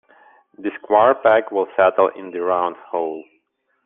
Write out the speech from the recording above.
The square peg will settle in the round hole.